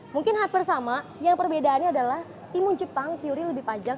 mungkin hati bersama yang perbedaannya adalah timun jepang kiri lebih terang